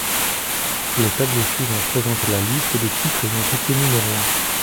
Le tableau suivant présente la liste des titres ayant été numéro un.